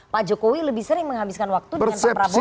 pak jokowi lebih sering menghabiskan waktu dengan pak prabowo